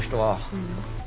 うん。